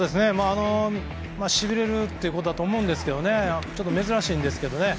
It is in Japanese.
しびれるということだと思うんですけどちょっと珍しいんですけどね。